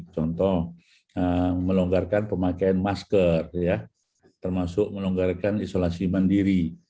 contoh melonggarkan pemakaian masker termasuk melonggarkan isolasi mandiri